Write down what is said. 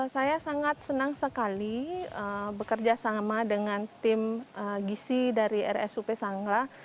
saya sangat senang sekali bekerja sama dengan tim gisi dari rsup sangra